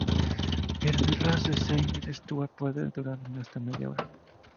En el raz de Sein la estoa puede durar hasta media hora.